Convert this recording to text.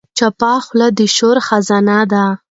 چپه خوله، د شعور خزانه ده.